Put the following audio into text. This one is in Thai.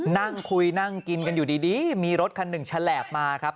นั่งคุยนั่งกินกันอยู่ดีมีรถคันหนึ่งแฉลบมาครับ